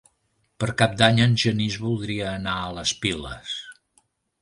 Per Cap d'Any en Genís voldria anar a les Piles.